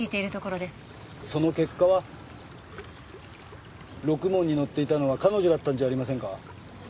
ろくもんに乗っていたのは彼女だったんじゃありませんか？